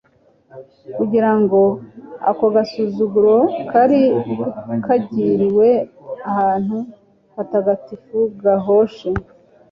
kugira ngo ako gasuzuguro kari kagiriwe ahantu hatagatifu gahoshe